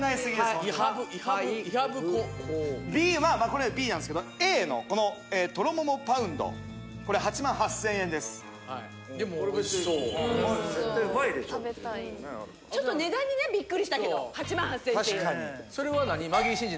ホントイハブイハブコＢはまあこれはＢなんですけどＡのこのとろももパウンドこれ８万８０００円ですでもおいしそう絶対うまいでしょっていう食べたいちょっと値段にねビックリしたけど８万８０００円っていうそれは何マギー審司